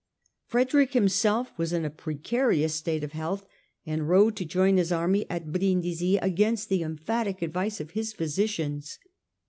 Frederick himself was in a precarious state of health, and rode to join his army at Brindisi against the emphatic advice of his physicians.